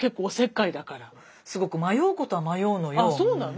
あっそうなの？